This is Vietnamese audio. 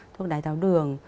thuốc đáy tháo đường